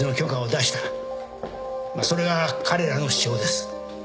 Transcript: それが彼らの主張です。